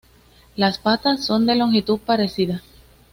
Las patas son de longitud parecida.